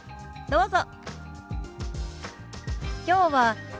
どうぞ。